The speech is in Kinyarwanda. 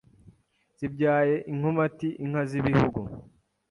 Zibyaye inkomati inka z'ibihugu